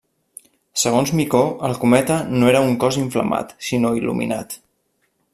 Segons Micó el cometa no era un cos inflamat, sinó il·luminat.